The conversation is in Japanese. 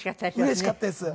うれしかったです。